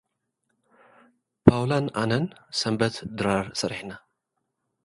ፓውላን ኣነን፡ ሰንበት ድራር ሰሪሕና።